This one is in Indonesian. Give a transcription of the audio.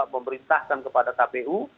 memberitahkan kepada kpu